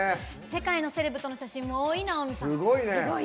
世界のセレブとの写真も多い直美さん。